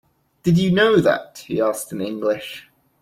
"Did you know that?" he asked in English.